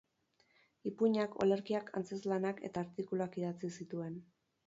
Ipuinak, olerkiak, antzezlanak eta artikuluak idatzi zituen.